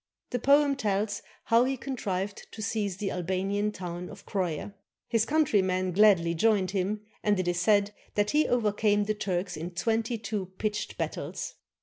The poem tells how he con trived to seize the Albanian town of Croia. His countrymen gladly joined him, and it is said that he overcame the Turks in twenty two pitched battles.